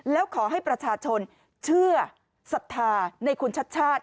แล้วขอให้ประชาชนเชื่อศรัทธาในคุณชัดชาติ